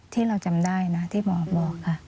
ที่เราจำได้นะที่หมอบอกค่ะ